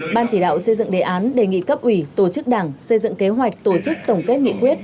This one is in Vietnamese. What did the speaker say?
ban chỉ đạo xây dựng đề án đề nghị cấp ủy tổ chức đảng xây dựng kế hoạch tổ chức tổng kết nghị quyết